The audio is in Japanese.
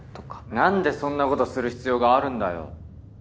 なんでそんなことする必要があるんだよ。